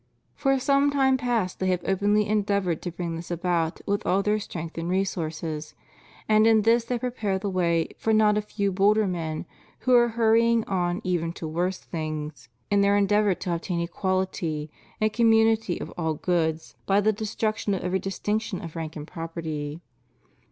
For some time past they have openly endeavored to bring this about with all their strength and resources; and in this they prepare the way for not a few bolder men who are hurrying on even to worse things, in their endeavor to obtain equality and community of all goods by the destruction of every dis tinction of rank and property.